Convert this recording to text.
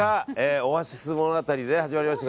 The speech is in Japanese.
オアシズ物語、始まりました。